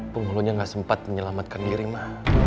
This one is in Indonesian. penghulunya gak sempat menyelamatkan diri mah